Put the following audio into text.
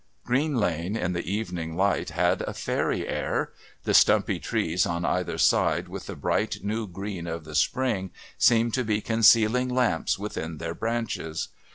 Green Lane in the evening light had a fairy air. The stumpy trees on either side with the bright new green of the spring seemed to be concealing lamps within their branches.